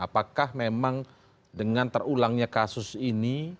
apakah memang dengan terulangnya kasus ini